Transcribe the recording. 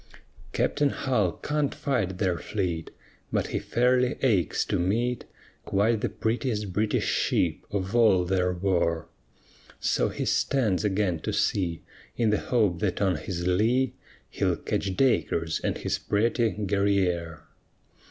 Captain Hull can't fight their fleet, But he fairly aches to meet Quite the prettiest British ship of all there were; So he stands again to sea In the hope that on his lee He'll catch Dacres and his pretty Guerrière.